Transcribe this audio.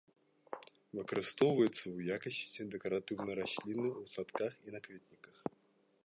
Выкарыстоўваецца ў якасці дэкаратыўнай расліны ў садках і на кветніках.